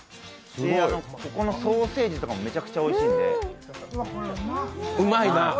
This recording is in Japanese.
ここのソーセージもめちゃくちゃおいしいんで。